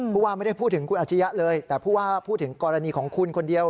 ผู้ว่าไม่ได้พูดถึงคุณอาชียะเลยแต่ผู้ว่าพูดถึงกรณีของคุณคนเดียว